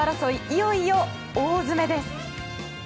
いよいよ大詰めです。